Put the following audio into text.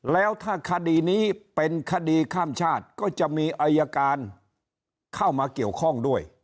แล้วถ้าคดีนี้เป็นคดีข้ามชาติก็จะมีอายการเข้ามาเกี่ยวข้องด้วย